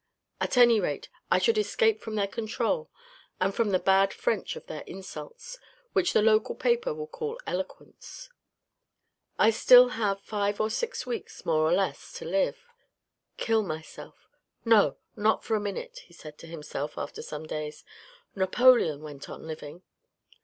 .. At any rate, I should escape from their control and from the bad French of their insults, which the local paper will call eloquence." " I still have five or six weeks, more or less to live. Kill myself. No, not for a minute," he said to himself after some days, " Napoleon went on living."